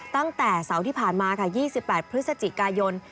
ตั้งแต่เสาร์ที่ผ่านมาค่ะ๒๘พฤศจิกายน